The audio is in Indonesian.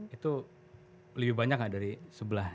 itu lebih banyak dari sebelah